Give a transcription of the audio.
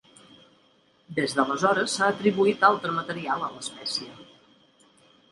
Des d'aleshores s'ha atribuït altre material a l'espècie.